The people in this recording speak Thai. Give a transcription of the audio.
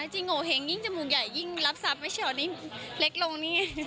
จริงโงเห้งยิ่งจมูกใหญ่ยิ่งรับทรัพย์ไม่ใช่เหรอนี่เล็กลงนี่